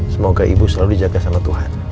semoga ibu selalu dijaga sama tuhan